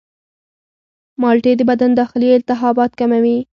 مالټې د بدن داخلي التهابات کموي.